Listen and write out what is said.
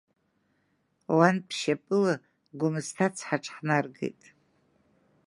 Уантә шьапыла Гәымсҭа ацҳаҿы ҳнаргеит.